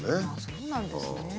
そうなんですね。